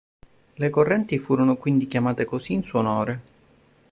Le correnti furono quindi chiamate così in suo onore.